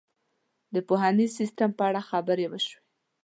د پوهنیز سیستم په اړه خبرې وشوې.